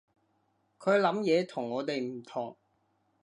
佢諗嘢同我哋唔同